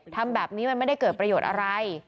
ทำแบบนี้มันไม่ได้เกิดประโยชน์อะไร